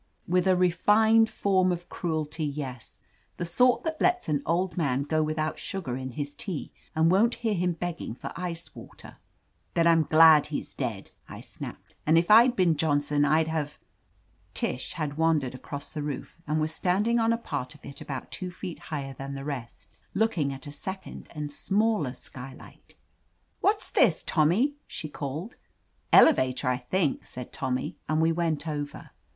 *With a refined form of cruelty, yes. The sort that lets an old man go without sugar in his tea, and won't hear him begging for ice water." "Then I'm glad he's dead," I snapped, "and if I'd been Johnson, I'd have —" Tish had wandered across the roof, and was 179 s. N THE AMAZING ADVENTURES standing on a part of it about two feet higher, than the rest, looking at a second^nd smallei; skyjlight. "What's this. Tommy?" she called. "Elevator, I think," said Tommy, and we went over.